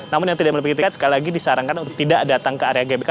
namun yang tidak memiliki tiket sekali lagi disarankan untuk tidak datang ke area gbk